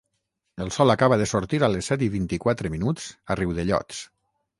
El sol acaba de sortir a les set i vint-i-quatre minuts a Riudellots